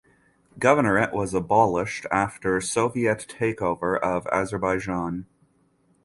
Governorate was abolished after Soviet takeover of Azerbaijan.